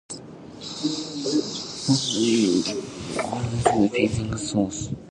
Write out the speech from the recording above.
The shrine of Goddess is facing south.